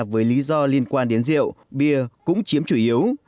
với lý do liên quan đến rượu bia cũng chiếm chủ yếu